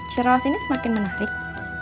ciraus ini semakin menarik